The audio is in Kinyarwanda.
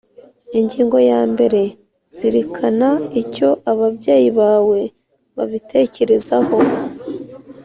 Ingingo ya mbere Zirikana icyo ababyeyi bawe babitekerezaho